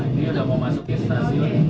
ini sudah mau masuk stasiun